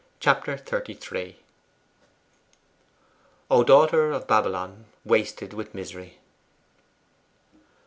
Chapter XXXIII 'O daughter of Babylon, wasted with misery.